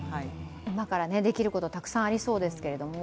今からできること、たくさんありそうですけれども。